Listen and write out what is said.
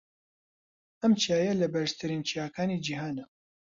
ئەم چیایە لە بەرزترین چیاکانی جیھانە.